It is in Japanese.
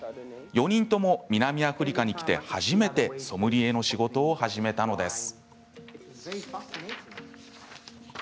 ４人とも南アフリカに来て初めてソムリエの仕事を始めたのです。